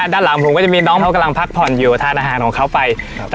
ด้านหลังผมก็จะมีน้องเขากำลังพักผ่อนอยู่ทานอาหารของเขาไปครับ